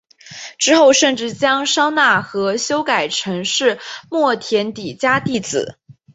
之后甚至将商那和修改成是末田底迦弟子。